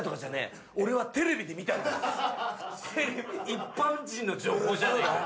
一般人の情報じゃないか。